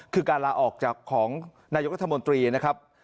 คือการลาออกจากของนายกรัฐมนตรีนะครับ